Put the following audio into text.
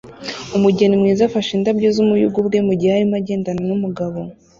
Umugeni mwiza afashe indabyo z'umuyugubwe mugihe arimo agendana numugabo